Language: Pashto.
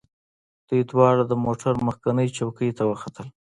دوی دواړه د موټر مخکینۍ څوکۍ ته وختل